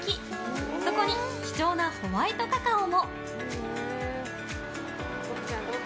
そこに貴重なホワイトカカオも。